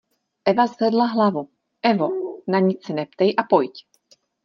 Eva zvedla hlavu, Evo, na nic se neptej a pojď.